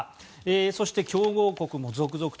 そして、強豪国も続々と。